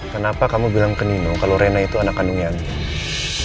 kenapa kamu bilang ke nino kalau rena itu anak kandung yanti